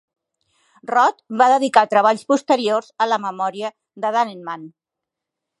Roth va dedicar treballs posteriors a la memòria de Dannemann.